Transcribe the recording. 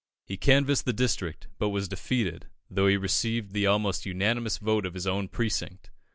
He canvassed the district, but was defeated, though he received the almost unanimous vote of his own precinct.